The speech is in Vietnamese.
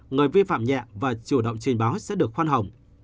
người vi phạm nhẹ và chủ động trình báo sẽ được khoan hồng